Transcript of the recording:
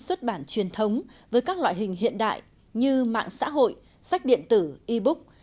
xuất bản truyền thống với các loại hình hiện đại như mạng xã hội sách điện tử e book